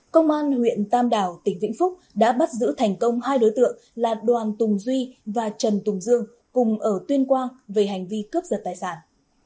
công an huyện tam đảo tỉnh vĩnh phúc đã bắt giữ thành công hai đối tượng là đoàn tùng duy và trần tùng dương cùng ở tuyên quang về hành vi cướp giật tài sản